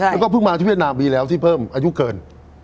แล้วก็เพิ่งมาที่เวียดนามมีแล้วที่เพิ่มอายุเกิน